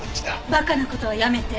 馬鹿な事はやめて。